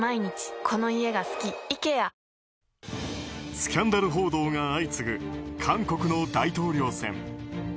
スキャンダル報道が相次ぐ韓国の大統領選。